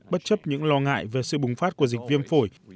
bất chấp những lo ngại về sự bùng phát của dịch viêm phổi